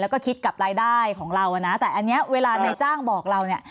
แล้วก็คิดกับรายได้ของเราอ่ะนะแต่อันนี้เวลาในจ้างบอกเราเนี่ย